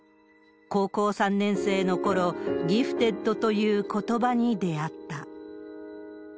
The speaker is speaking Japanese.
高校３年生のころ、ギフテッドということばに出会った。